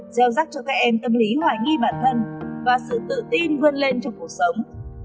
gieo rắc cho các em tâm lý hoài nghi bản thân và sự tự tin vươn lên trong cuộc sống